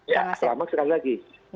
ya selama sekali lagi